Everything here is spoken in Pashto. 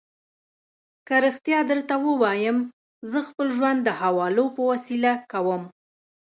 که رښتیا درته ووایم، زه خپل ژوند د حوالو په وسیله کوم.